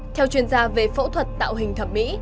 theo chuyên gia về phẫu thuật tạo hình thẩm mỹ